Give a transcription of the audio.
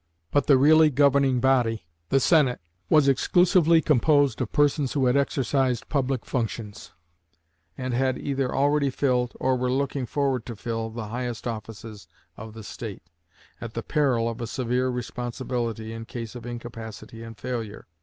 But the really governing body, the Senate, was in exclusively composed of persons who had exercised public functions, and had either already filled, or were looking forward to fill the highest offices of the state, at the peril of a severe responsibility in case of incapacity and failure.